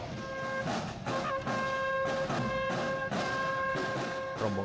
rombongan di kraton solo